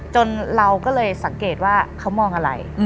เราก็เลยสังเกตว่าเขามองอะไร